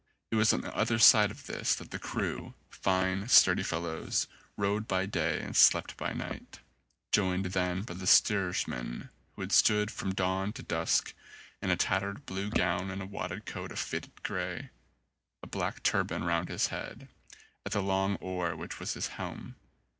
It was on the other side of this that the crew — fine sturdy fellows — rowed by day and slept by night, joined then by the steersman who had stood from dawn to dusk, in a tattered blue gown and a wadded coat of faded grey, a black turban round his head, at the long oar which was his helm.